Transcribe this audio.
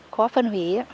khó phân hủy